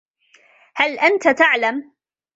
هل أنت تعلم ؟